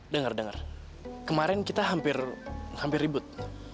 dengar dengar kemarin kita hampir ribut